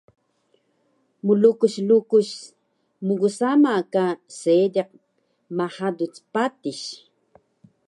Mlukus lukus mgsama ka seediq mhaduc patis